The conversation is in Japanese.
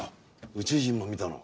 宇宙人も見たの。